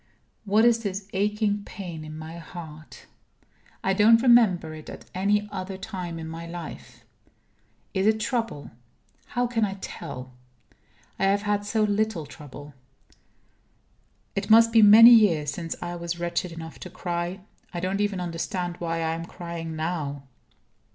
What is this aching pain in my heart? I don't remember it at any other time in my life. Is it trouble? How can I tell? I have had so little trouble. It must be many years since I was wretched enough to cry. I don't even understand why I am crying now.